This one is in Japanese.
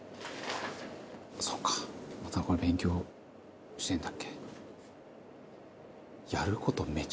「そうかこれ勉強してるんだっけ」